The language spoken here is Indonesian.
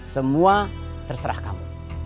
semua terserah kamu